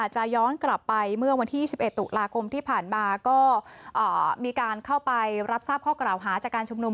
จะย้อนกลับไปเมื่อวันที่๒๑ตุลาคมที่ผ่านมาก็มีการเข้าไปรับทราบข้อกล่าวหาจากการชุมนุม